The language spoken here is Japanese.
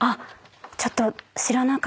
ちょっと。